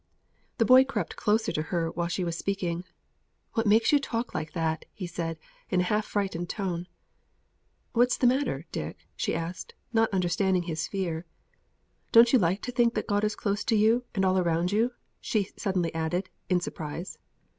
The boy crept closer to her while she was speaking. "What makes you talk like that?" he said, in a half frightened tone. "What's a matter, Dick?" she asked, not understanding his fear. "Don't you like to think God is close to you, and all round you," she suddenly added, in surprise.